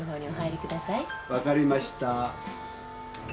分かりました。